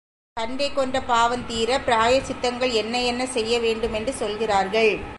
கன்றைக் கொன்ற பாவம் தீரப் பிராயச்சித்தங்கள் என்ன என்ன செய்ய வேண்டும் என்று சொல்கிறார்கள்.